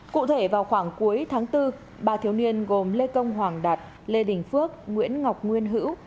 cụ thể vào khoảng cuối tháng bốn ba thiếu niên gồm lê công hoàng đạt lê đình phước nguyễn ngọc nguyên hữu